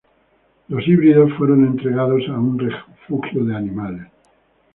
Los híbridos fueron entregados a un refugio de animales.